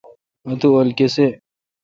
اتو اؘل کیسی۔